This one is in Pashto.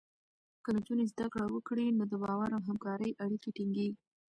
که نجونې زده کړه وکړي، نو د باور او همکارۍ اړیکې ټینګېږي.